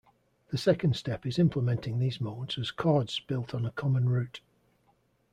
The second step is implementing these modes as chords built on a common root.